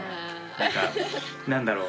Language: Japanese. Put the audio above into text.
何か何だろう。